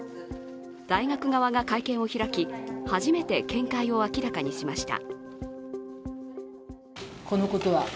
大学側が会見を開き、初めて見解を明らかにしました。